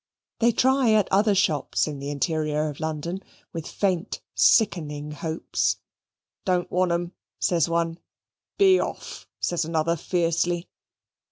They try at other shops in the interior of London, with faint sickening hopes. "Don't want 'em," says one. "Be off," says another fiercely.